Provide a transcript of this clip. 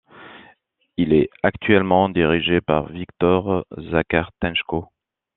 Il est actuellement dirigé par Viktor Zakhartchenko.